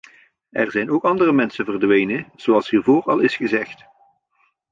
Er zijn ook andere mensen verdwenen, zoals hiervoor al is gezegd.